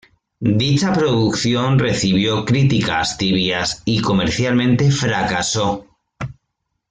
Dicha producción recibió críticas tibias y comercialmente fracasó.